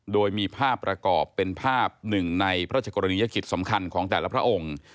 โดยมีภาพประกอบเป็นภาพหนึ่งในพระราชกรณียกิจสำคัญของแต่ละพระองค์